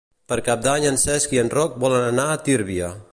Per Cap d'Any en Cesc i en Roc volen anar a Tírvia.